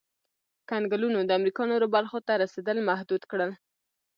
کنګلونو د امریکا نورو برخو ته رسېدل محدود کړل.